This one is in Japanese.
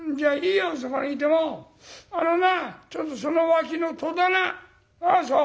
あのなちょっとその脇の戸棚うんそう。